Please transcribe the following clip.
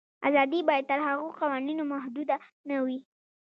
آزادي باید تر هغو قوانینو محدوده نه وي.